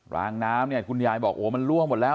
รางน้ำเนี่ยคุณยายบอกโอ้มันล่วงหมดแล้ว